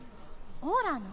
オーラーの？